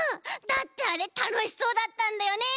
だってあれたのしそうだったんだよね。